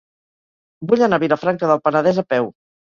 Vull anar a Vilafranca del Penedès a peu.